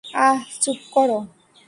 আঃ– চুপ করো।